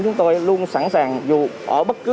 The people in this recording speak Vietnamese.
chúng tôi luôn sẵn sàng dù ở bất cứ